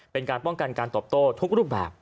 เป็นการป้องกันการตอบโต้ทุกรูปแบบ